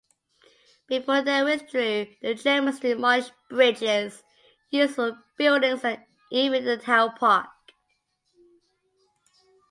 Before they withdrew, the Germans demolished bridges, useful buildings, and even the town park.